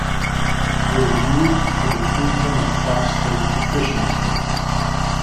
It is used for the treatment of phosphate deficiency.